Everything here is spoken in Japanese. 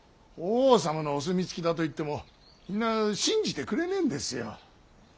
法皇様のお墨付きだと言っても皆信じてくれねえんですよ。